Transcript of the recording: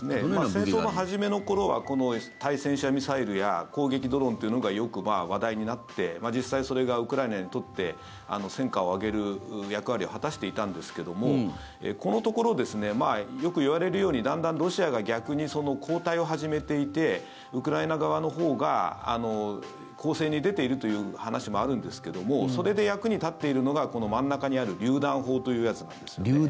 戦争の初めの頃はこの対戦車ミサイルや攻撃ドローンがというのがよく話題になって実際、それがウクライナにとって戦果を上げる役割を果たしていたんですけどもこのところ、よくいわれるようにだんだんロシアが逆に後退を始めていてウクライナ側のほうが攻勢に出ているという話もあるんですがそれで役に立っているのがこの真ん中にあるりゅう弾砲。